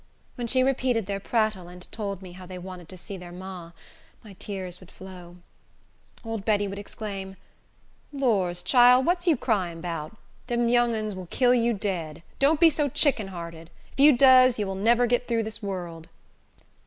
When she repeated their prattle, and told me how they wanted to see their ma, my tears would flow. Old Betty would exclaim, "Lors, chile! what's you crying 'bout? Dem young uns vil kill you dead. Don't be so chick'n hearted! If you does, you vil nebber git thro' dis world."